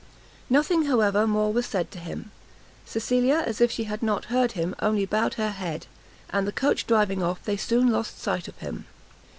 Nothing, however, more was said to him; Cecilia, as if she had not heard him, only bowed her head, and the coach driving off, they soon lost sight of him.